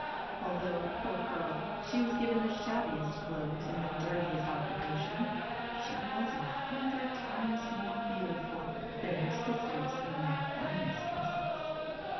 Although, poor girl, she was given the shabbiest clothes, and the dirtiest occupation, she was a hundred times more beautiful than her sisters in their finest dresses.